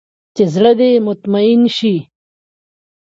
چې زړه دې مطمين سي.